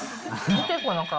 見て、この顔。